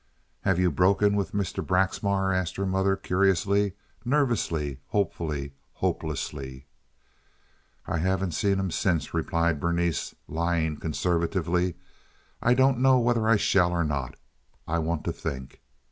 "Have you broken with Mr. Braxmar?" asked her mother, curiously, nervously, hopefully, hopelessly. "I haven't seen him since," replied Berenice, lying conservatively. "I don't know whether I shall or not. I want to think."